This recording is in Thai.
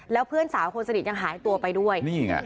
แล้วเพื่อนสาวคนสนิทยังหายตัวไปด้วยนี่ไง